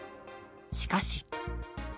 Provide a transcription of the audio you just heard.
しかし。